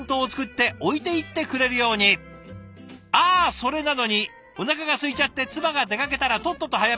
それなのにおなかがすいちゃって妻が出かけたらとっとと早弁！